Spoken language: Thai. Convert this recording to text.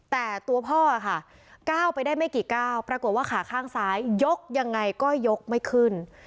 แต่ตัวพ่อค่ะก้าวไปได้ไม่กี่ก้าวปรากฏว่าขาข้างซ้ายยกยังไงก็ยกไม่ขึ้น